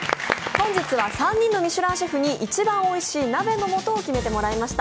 本日は３人のミシュランシェフに一番おいしい鍋の素を決めていただきました。